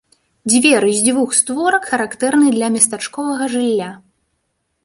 Дзверы з дзвюх створак характэрны для местачковага жылля.